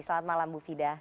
selamat malam ibu fida